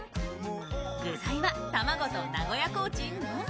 具材は卵と名古屋コーチンのみ。